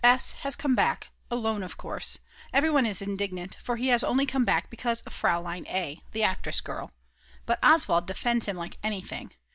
S. has come back, alone of course. Everyone is indignant, for he has only come back because of Fraulein A., the actress girl. But Oswald defends him like anything.